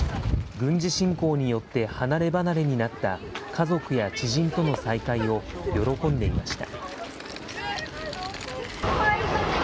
軍事侵攻によって離れ離れになった家族や知人との再会を喜んでいました。